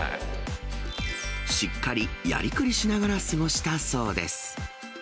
しっかりやりくりしながら過ごしたそうです。